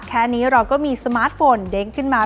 แค่นี้เราก็มีสมาร์ทโฟนเด้งขึ้นมา